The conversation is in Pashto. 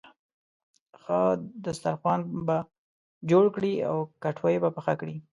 ښه دسترخوان به جوړ کړې او کټوۍ به پخه کړې.